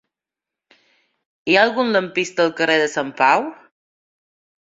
Hi ha algun lampista al carrer de Sant Pau?